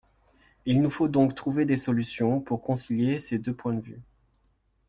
Il nous faut donc trouver des solutions pour concilier ces deux points de vue.